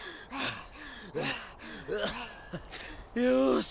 よし。